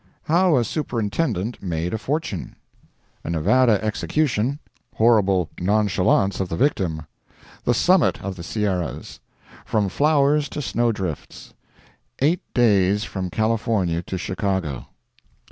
How a Superintendent made a Fortune. A Nevada Execution—Horrible Nonchalance of the Victim. The Summit of the Sierras—From Flowers to Snow Drifts. Eight Days from California to Chicago.